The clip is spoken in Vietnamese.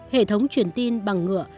hệ thống truyền tin bằng ngựa